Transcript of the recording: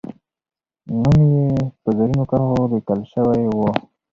نوم یې به په زرینو کرښو لیکل سوی وو.